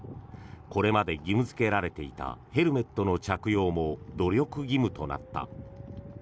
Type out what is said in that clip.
これまで義務付けられていたヘルメットの着用も努力義務となった。